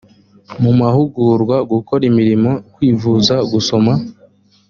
mu mahugurwa gukora imirimo kwivuza gusoma